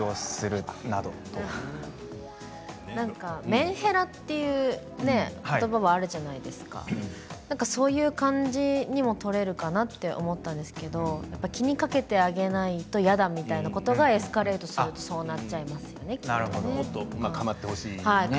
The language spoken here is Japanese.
メンヘラっていう言葉もあるじゃないですかそういう感じにも取れるかなと思ったんですけど気にかけてあげないと嫌だみたいなことがエスカレートするとそうなっちゃいますよねきっとね。